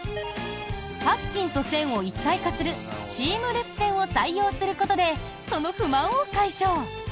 パッキンと栓を一体化するシームレスせんを採用することでその不満を解消。